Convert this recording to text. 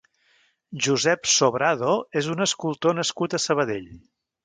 Josep Sobrado és un escultor nascut a Sabadell.